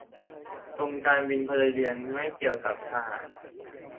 กรมการบินพลเรือนไม่เกี่ยวกับทหาร